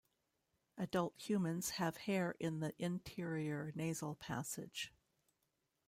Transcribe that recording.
Adult humans have hair in the interior nasal passage.